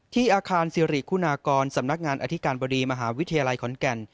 อาคารสิริคุณากรสำนักงานอธิการบดีมหาวิทยาลัยขอนแก่น